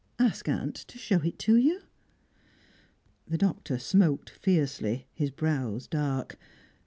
Ask aunt to show it you." The Doctor smoked fiercely, his brows dark.